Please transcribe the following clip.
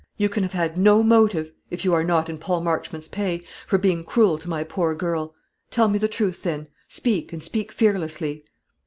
You can have had no motive if you are not in Paul Marchmont's pay for being cruel to my poor girl. Tell me the truth, then; speak, and speak fearlessly."